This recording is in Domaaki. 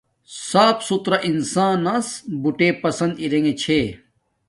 صاف ستھرا انسان نس بوٹے پسن ارنݣ چھے